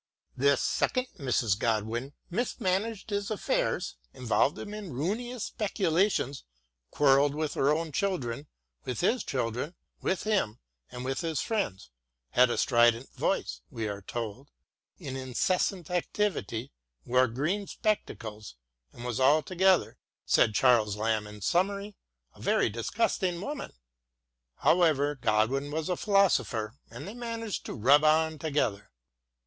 This second Mrs. Godwin mismanaged his affairs, squandered his money, involved him in ruinous speculations, quarrelled with her own children, with his children, with him, and with his friends, had a strident voice, we are told, in incessant activity, wore green spectacles, and was altogether, said Charles Lamb in summary, " a very disgusting woman." However, Godwin was a philosopher, and they managed to rub on together.